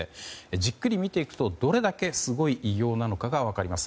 じっくり見ていくとどれだけすごい偉業なのかが分かります。